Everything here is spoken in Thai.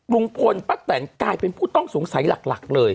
ลุงพลป้าแตนกลายเป็นผู้ต้องสงสัยหลักเลย